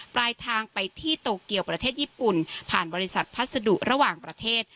ปลายทางไปที่โตเกียวประเทศญี่ปุ่นผ่านบริษัทพัสดุระหว่างประเทศ